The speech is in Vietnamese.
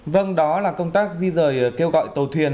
vâng đó là công tác di rời kêu gọi tàu thuyền